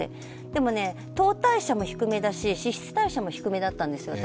でも、糖代謝も低めだし脂質代謝も低めだったんですよ。